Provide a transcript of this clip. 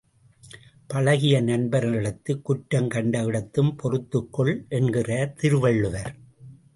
பழகிய நண்பரிடத்துக் குற்றம் கண்டவிடத்தும் பொறுத்துக்கொள் என்கிறார் திருவள்ளுவர்.